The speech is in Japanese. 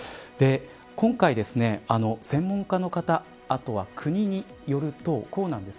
今回、専門家の方あとは国によると、こうです。